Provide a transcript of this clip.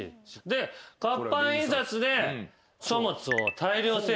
で活版印刷で。